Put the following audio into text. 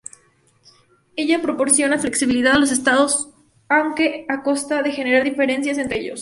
Ello proporciona flexibilidad a los Estados aunque a costa de generar diferencias entre ellos.